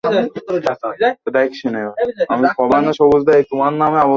Police সূত্র জানায়, পুরজিৎ তার বয়ানে আবদুল আলীকে ছুরিকাঘাত করার কথা স্বীকার করেছেন।